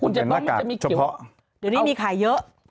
คุณจะต้องมันจะมีเขียวเดี๋ยวนี้มีขายเยอะ